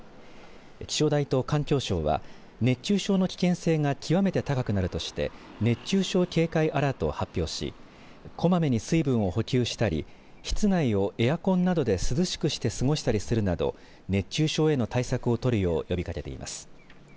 気象台と環境省は熱中症の危険性が極めて高くなるとして熱中症警戒アラートを発表しこまめに水分を補給したり室内をエアコンなどで涼しくして過ごしたりするなど熱中症への対策を取るよう呼びかけています。